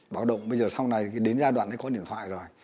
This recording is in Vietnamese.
báo động bây giờ sau này đến giai đoạn ấy có điện thoại rồi